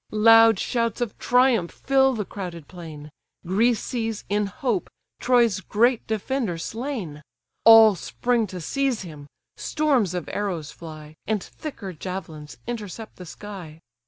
Loud shouts of triumph fill the crowded plain; Greece sees, in hope, Troy's great defender slain: All spring to seize him; storms of arrows fly, And thicker javelins intercept the sky.